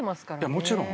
もちろん。